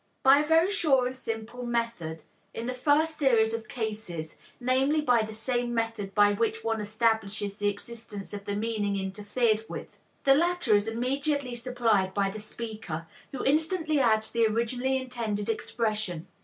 By a very sure and simple method, in the first series of cases, namely, by the same method by which one establishes the existence of the meaning interfered with. The latter is immediately supplied by the speaker, who instantly adds the originally intended expression.